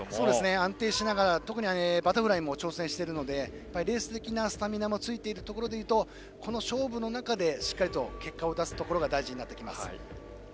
安定しながら、特にバタフライも挑戦しているのでレース的なスタミナもついているということをいうとこの勝負の中でしっかりと結果を出すのが大事になります。